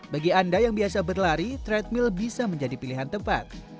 bagi anda yang biasa berlari treadmill bisa menjadi pilihan tepat